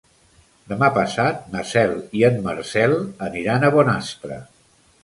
Demà passat na Cel i en Marcel aniran a Bonastre.